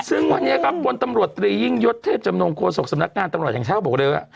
ซึ่งวันนี้ครับพลตำรวจตรียิ่งยศเทพจำนงโฆษกสำนักงานตำรวจแห่งชาติบอกเลยว่า